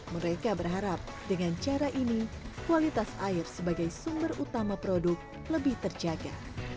mereka berharap dengan cara ini kualitas air sebagai sumber utama produk lebih terjaga